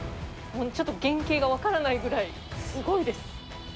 ちょっと原形が分からないぐらい、すごいです。